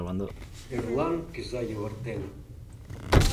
Эрлан кӱза йывыртен.